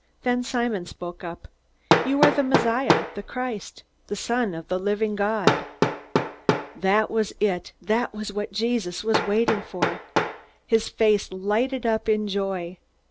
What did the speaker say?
Then Simon spoke up: "You are the Messiah the Christ the Son of the living God!" That was it! That was what Jesus was waiting for! His face lighted up in joy.